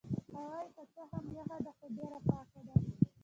هوا يې که څه هم یخه ده خو ډېره پاکه ده.